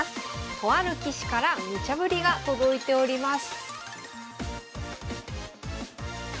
とある棋士からムチャぶりが届いております